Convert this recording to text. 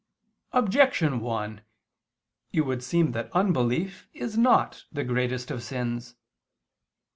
Objection 1: It would seem that unbelief is not the greatest of sins.